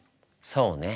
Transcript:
そうね。